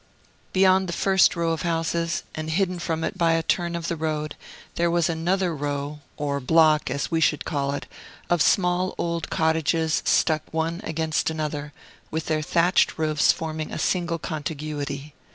Beyond the first row of houses, and hidden from it by a turn of the road, there was another row (or block, as we should call it) of small old cottages, stuck one against another, with their thatched roofs forming a single contiguity.